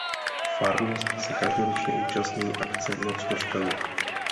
Farnost se každoročně účastní akce Noc kostelů.